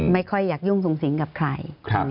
ไม่ค่อยอยากยุ่งสูงสิงกับใคร